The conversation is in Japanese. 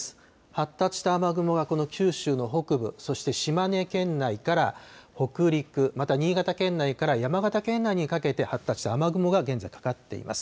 発達した雨雲がこの九州の北部、そして島根県内から北陸また新潟県内から山形県内にかけて発達した雨雲が現在かかっています。